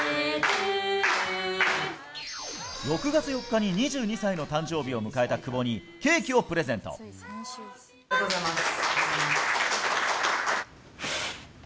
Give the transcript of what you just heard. ６月４日に２２歳の誕生日を迎えた久保に、ありがとうございます。